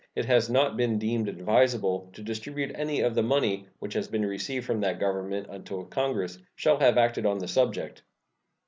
It has not been deemed advisable to distribute any of the money which has been received from that Government until Congress shall have acted on the subject.